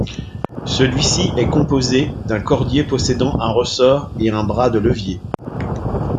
Celui-ci est composé d'un cordier possédant un ressort et un bras de levier.